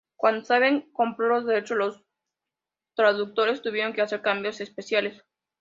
Cuando Saban compró los derechos, los traductores tuvieron que hacer cambios especiales.